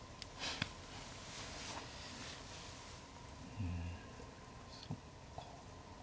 うんそっか。